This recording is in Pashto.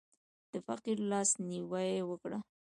د فقیر لاس نیوی وکړه.